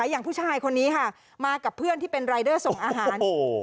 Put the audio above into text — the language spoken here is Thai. อย่างผู้ชายคนนี้ค่ะมากับเพื่อนที่เป็นรายเดอร์ส่งอาหาร